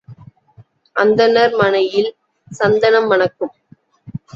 அந்தணர் மனையில் சந்தனம் மணக்கும்.